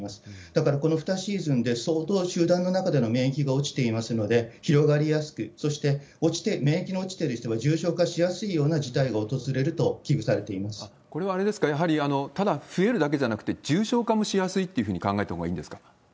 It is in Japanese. だからこの２シーズンで、相当集団の中での免疫が落ちていますので、広がりやすく、そして免疫の落ちてる人は重症化しやすいような事態が訪れると危これはあれですか、ただ増えるだけじゃなくて、重症化もしやすいっていうふうに考えたほうがいいんですか？